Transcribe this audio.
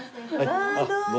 あっどうも。